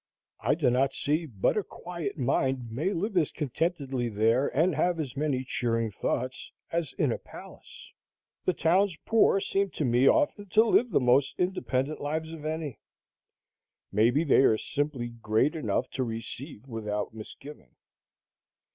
I do not see but a quiet mind may live as contentedly there, and have as cheering thoughts, as in a palace. The town's poor seem to me often to live the most independent lives of any. May be they are simply great enough to receive without misgiving.